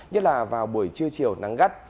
nhất là vào buổi trưa chiều nắng gắt